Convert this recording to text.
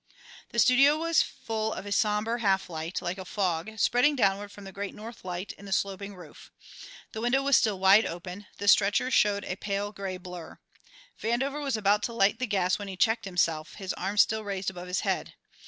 The studio was full of a sombre half light, like a fog, spreading downward from the great north light in the sloping roof. The window was still wide open, the stretcher showed a pale gray blur. Vandover was about to light the gas when he checked himself, his arm still raised above his head.